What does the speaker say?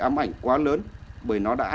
mày xin bố em đi